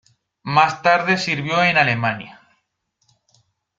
Más tarde sirvió en Alemania.